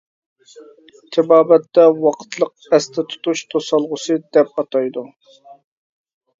تېبابەتتە ۋاقىتلىق ئەستە تۇتۇش توسالغۇسى دەپ ئاتايدۇ.